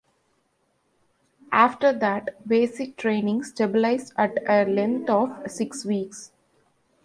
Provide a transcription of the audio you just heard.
After that, basic training stabilized at a length of six weeks.